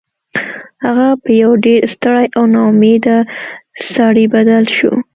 هغه په یو ډیر ستړي او ناامیده سړي بدل شو